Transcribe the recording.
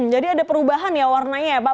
jadi ada perubahan ya warnanya ya pak